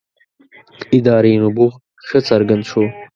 ادارې نبوغ ښه څرګند شو.